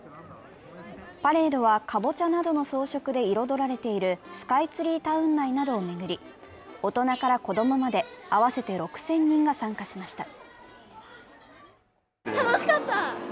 パレードはかぼちゃなどの装飾で彩られているスカイツリータウン内などを巡り、大人から子供まで合わせて６０００人が参加しました。